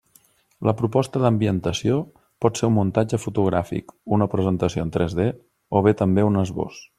La proposta d'ambientació pot ser un muntatge fotogràfic, una presentació en tres D o bé també un esbós.